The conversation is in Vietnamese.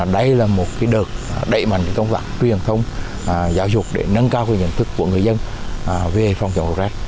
đây là một đợt đẩy mạnh công tác truyền thông giáo dục để nâng cao cái nhận thức của người dân về phòng chống sốt z